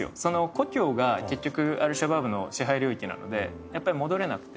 故郷が結局アル・シャバーブの支配領域なのでやっぱり戻れなくて。